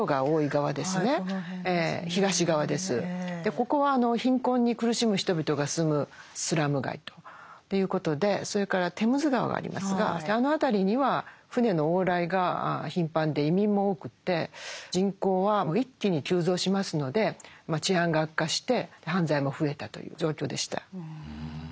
ここは貧困に苦しむ人々が住むスラム街ということでそれからテムズ川がありますがあの辺りには船の往来が頻繁で移民も多くて人口は一気に急増しますので治安が悪化して犯罪も増えたという状況でした。